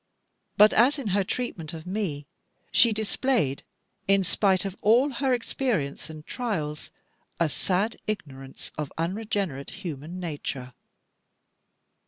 But, as in her treatment of me, she displayed, in spite of all her experience and trials, a sad ignorance of unregenerate human nature.